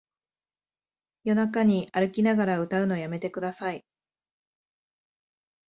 夜中に歩きながら歌うのやめてください